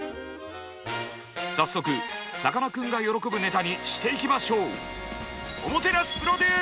早速さかなクンが喜ぶネタにしていきましょう！